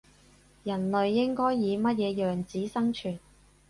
人類應該以乜嘢樣子生存